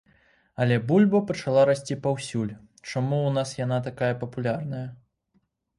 Але бульба пачала расці паўсюль, чаму ў нас яна такая папулярная.